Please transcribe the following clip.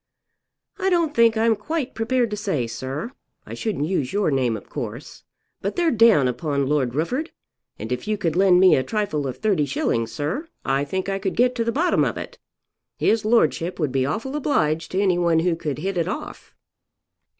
"I don't think I'm quite prepared to say, sir. I shouldn't use your name of course. But they're down upon Lord Rufford, and if you could lend me a trifle of 30_s._, sir, I think I could get to the bottom of it. His lordship would be awful obliged to any one who could hit it off."